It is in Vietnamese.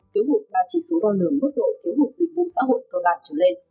thiếu hụt ba chỉ số đo lường mức độ thiếu hụt dịch vụ xã hội cơ bản trở lên